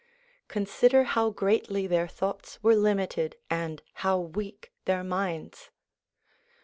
Con sider how greatly their thoughts were limited and how weak their minds.